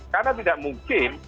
karena tidak mungkin